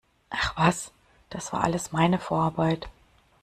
Ach was, das war alles meine Vorarbeit!